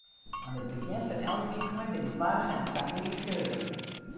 Oan it begjin fan elk wykein bin ik warch en tagelyk fleurich.